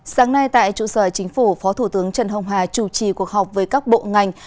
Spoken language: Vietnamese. sáng nay tại trụ sở chính phủ phó thủ tướng trần hồng hà chủ trì cuộc họp với các bộ ngành